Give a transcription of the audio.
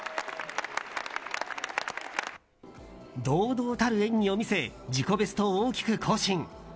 堂々たる演技を見せ自己ベストを大きく更新。